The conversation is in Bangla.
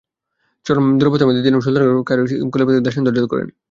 চরম দুরবস্থার দিনেও সুলতানগণ কায়রোর খলীফাদেরকে দেশান্তরিত করতেন কিংবা বরখাস্ত করতেন মাত্র।